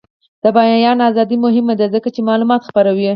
د بیان ازادي مهمه ده ځکه چې معلومات خپروي.